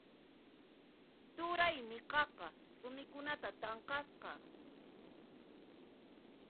Turaymi qaqa rumikunata tanqasqa.